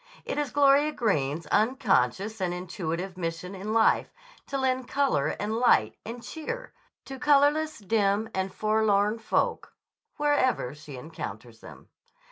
It is Gloria Greene's unconscious and intuitive mission in life to lend color and light and cheer to colorless, dim, and forlorn folk wherever she encounters them.